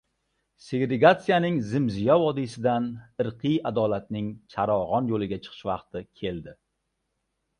Segregatsiyaning zim-ziyo vodiysidan irqiy adolatning charog‘on yo‘liga chiqish vaqti keldi.